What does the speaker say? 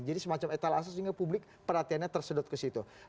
jadi semacam etalase sehingga publik perhatiannya tersedot ke situ